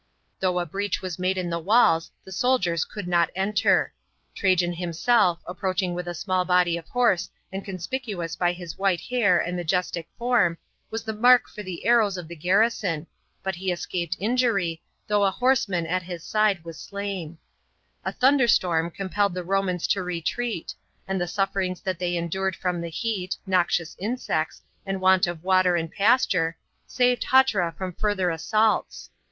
Though a breach was made in the walls, the soldiers could not enter. Trajan himself, approaching with a small body of horse and conspicuous by his white hair and majestic form, was the mark for the arrows of the garrison, but he escaped injury, though a horseman at his side 4:54 TBAJAN'tt PKINCIPATE. CHAP, was slain. A tnunderstonn compelled the Romans to retreat, and the sufferings that they endured from the hear, noxious insects, and want of water and pasture, saved Hatra from further assaults.